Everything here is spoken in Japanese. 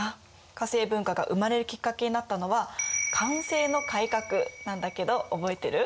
化政文化が生まれるきっかけになったのは「寛政の改革」なんだけど覚えてる？